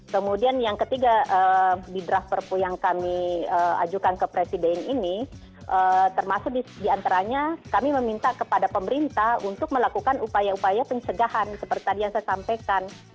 kemudian yang ketiga di draft perpu yang kami ajukan ke presiden ini termasuk diantaranya kami meminta kepada pemerintah untuk melakukan upaya upaya pencegahan seperti tadi yang saya sampaikan